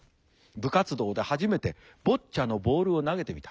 部活動で初めてボッチャのボールを投げてみた。